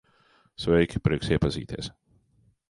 Sveiki, prieks iepazīties.